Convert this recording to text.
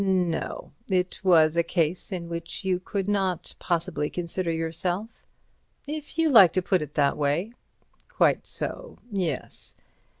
"No—it was a case in which you could not possibly consider yourself." "If you like to put it that way." "Quite so. Yes.